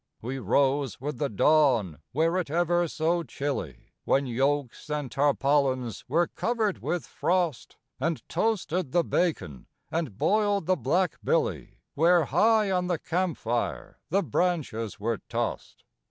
We rose with the dawn, were it ever so chilly, When yokes and tarpaulins were covered with frost, And toasted the bacon and boiled the black billy, Where high on the camp fire the branches were tossed.